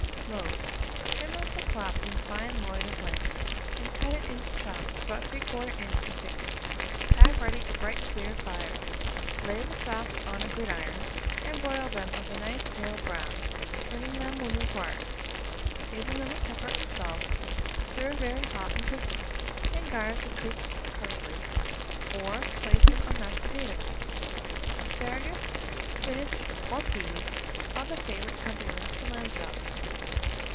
Mode. Trim off the flap from a fine loin of lamb, aid cut it into chops about 3/4 inch in thickness. Have ready a bright clear fire; lay the chops on a gridiron, and broil them of a nice pale brown, turning them when required. Season them with pepper and salt; serve very hot and quickly, and garnish with crisped parsley, or place them on mashed potatoes. Asparagus, spinach, or peas are the favourite accompaniments to lamb chops.